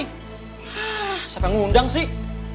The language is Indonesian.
hah siapa yang ngundang sih